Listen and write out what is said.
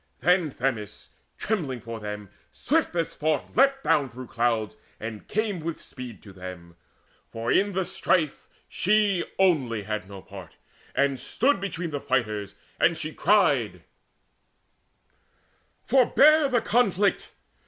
Then Themis, trembling for them, swift as thought Leapt down through clouds, and came with speed to them For in the strife she only had no part And stood between the fighters, and she cried: "Forbear the conflict!